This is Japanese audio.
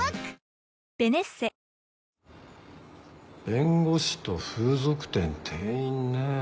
弁護士と風俗店店員ねえ。